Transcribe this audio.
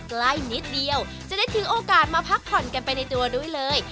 นิดเดียวจะได้ถือโอกาสมาพักผ่อนกันไปในตัวด้วยเลย